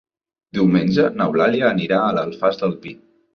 Diumenge n'Eulàlia anirà a l'Alfàs del Pi.